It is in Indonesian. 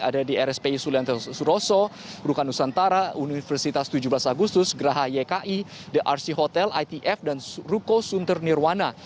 ada di rspi sulianto suroso rukanusantara universitas tujuh belas agustus geraha yki the rc hotel itf dan ruko sunter nirwana